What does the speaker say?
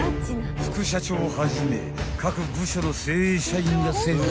［副社長をはじめ各部署の精鋭社員が勢揃い］